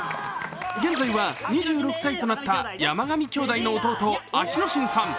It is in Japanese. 現在は２６歳となった山上兄弟の弟・暁之進さん。